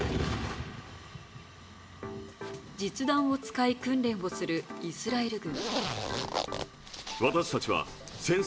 実弾を使い、訓練をするイスラエル軍。